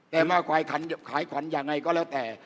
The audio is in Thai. แต่มาขายขันยังไงก็แล้วแต่